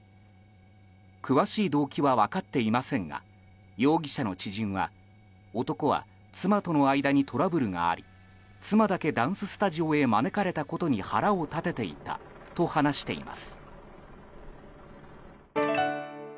詳しい動機は分かっていませんが容疑者の知人は男は妻との間にトラブルがあり妻だけダンススタジオへ招かれたことに腹を立てていたと話しています。